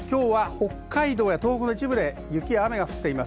北海道や東北の一部で雪や雨が降っています。